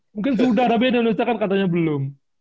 mungkin sudah tapi indonesia kan katanya belum